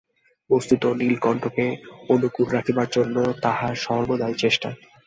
বস্তুতই নীলকণ্ঠকে অনুকূল রাখিবার জন্য তাহার সর্বদাই চেষ্টা।